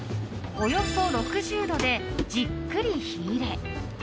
およそ６０度でじっくり火入れ。